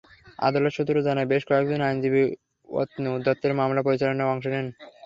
আদালত সূত্র জানায়, বেশ কয়েকজন আইনজীবী অতনু দত্তের মামলা পরিচালনায় অংশ নেন।